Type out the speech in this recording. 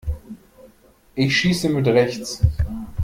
Ich schieße mit rechts.